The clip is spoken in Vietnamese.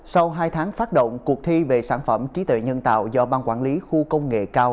sau hai tháng phát động cuộc thi về sản phẩm trí tuệ nhân tạo do ban quản lý khu công nghệ cao